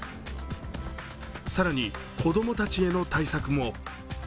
更に子供たちへの対策も。